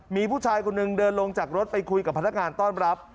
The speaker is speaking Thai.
มีผู้ชายคนหนึ่งเดินลงจากรถไปคุยกับพนักงานต้อนรับ